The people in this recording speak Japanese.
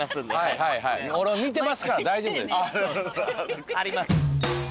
見てますから大丈夫です。